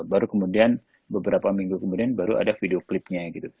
baru kemudian beberapa minggu kemudian baru ada video clipnya